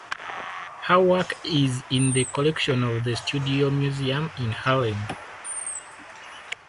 Her work is in the collection of the Studio Museum in Harlem.